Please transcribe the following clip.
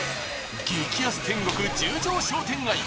激安天国十条商店街